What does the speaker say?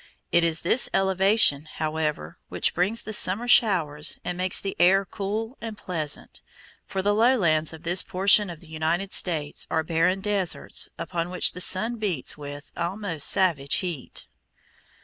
It is this elevation, however, which brings the summer showers and makes the air cool and pleasant, for the lowlands of this portion of the United States are barren deserts, upon which the sun beats with almost savage heat.